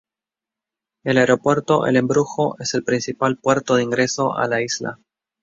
El Aeropuerto El Embrujo es el principal puerto de ingreso a la isla.